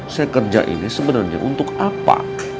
saya kerja ini sebenarnya untuk apa